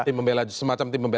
tim pembela jokowi